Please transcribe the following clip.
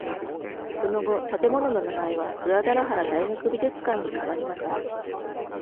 その後、建物の名前はグアダラハラ大学美術館に変わりました。